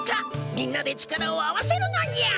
みんなで力を合わせるのにゃ！